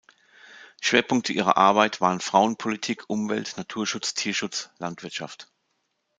Schwerpunkte ihrer Arbeit waren Frauenpolitik, Umwelt, Naturschutz, Tierschutz, Landwirtschaft.